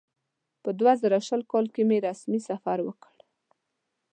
په دوه زره شل کال کې مې رسمي سفر وکړ.